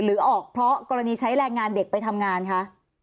หรือออกเพราะกรณีใช้แรงงานเด็กไปทำงานคะ